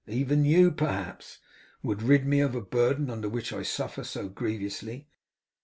Even you, perhaps, would rid me of a burden under which I suffer so grievously.